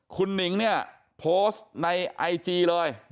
คุณหนิงเนี่ยโพสต์ในไอจีเลย